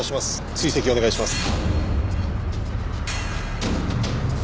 追跡お願いします。